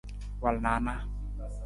Wal na a na.